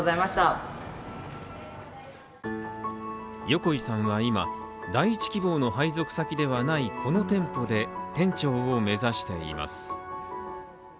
横井さんは今、第１希望の配属先ではないこの店舗で、店長を目指しています。